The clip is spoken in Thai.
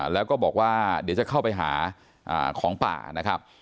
แล้วก็บอกว่าเดี๋ยวจะเข้าไปหาของป่านะครับ